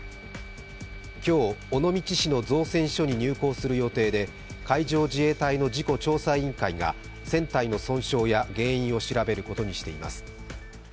今日尾道市の造船所に入港する予定で海上自衛隊の事故調査委員会が船体の損傷や原因を調べることにしています。